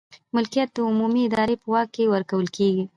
ملکیت د عمومي ادارې په واک کې ورکول کیږي.